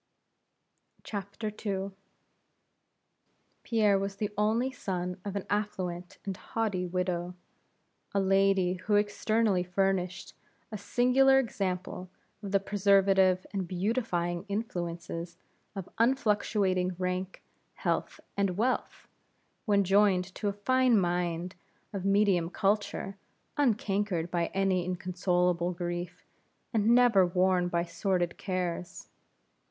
II. Pierre was the only son of an affluent, and haughty widow; a lady who externally furnished a singular example of the preservative and beautifying influences of unfluctuating rank, health, and wealth, when joined to a fine mind of medium culture, uncankered by any inconsolable grief, and never worn by sordid cares.